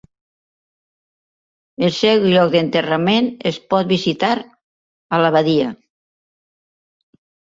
El seu lloc d'enterrament es pot visitar a l'Abadia.